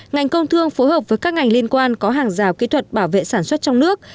ngành công thương phối hợp với các ngành liên quan có hàng rào kỹ thuật bảo vệ sản xuất trong nước